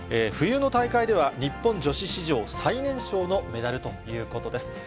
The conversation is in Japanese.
冬の大会では、日本女子史上最年少のメダルということです。